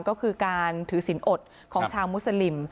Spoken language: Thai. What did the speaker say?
ก็คือการถือสินอดของชาวมุสลิม